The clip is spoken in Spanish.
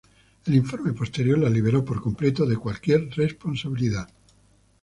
El informe posterior la liberó por completo de cualquier responsabilidad.